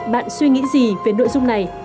bạn suy nghĩ gì về nội dung này